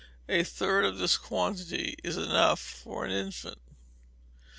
A third of this quantity is enough for an infant.